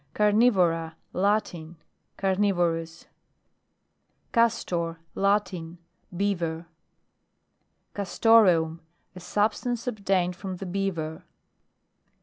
CARNIVORA, Latin. Carnivorou CASTOR. Latin. Beaver. CASTOREUM. A substance obtained from the Beaver.